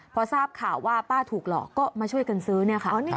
พอทราบข่าวว่าป้าถูกหลอกก็มาช่วยกันซื้อเนี่ยค่ะ